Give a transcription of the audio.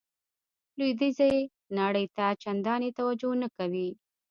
لویدیځې نړۍ ته چندانې توجه نه کوي.